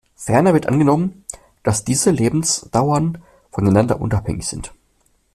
Ferner wird angenommen, dass diese Lebensdauern voneinander unabhängig sind.